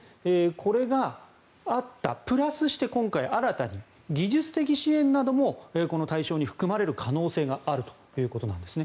これがあった、プラス今回新しく技術支援などもこの対象に含まれる可能性があるということです。